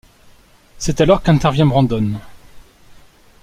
C'est alors qu'intervient Brandon.